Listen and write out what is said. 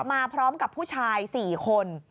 มาพร้อมกับผู้ชาย๔คน